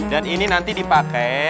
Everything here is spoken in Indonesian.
dan ini nanti dipake